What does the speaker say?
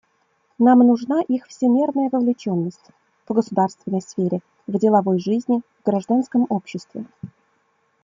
Нам нужна их всемерная вовлеченность — в государственной сфере, в деловой жизни, в гражданском обществе.